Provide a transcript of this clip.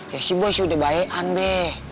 ya si boy sudah baean be